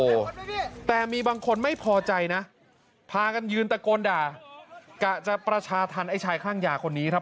โอ้โหแต่มีบางคนไม่พอใจนะพากันยืนตะโกนด่ากะจะประชาธรรมไอ้ชายข้างยาคนนี้ครับ